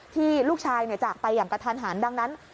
ที่ลูกชายจากไปอย่างกระทันหันดังนั้น